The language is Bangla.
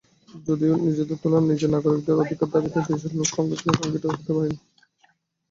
যদিও তুলনামূলকভাবে নিজেদের নাগরিক অধিকারের দাবিতে দেশের লোক সুসংগঠিত হতে পারেনি।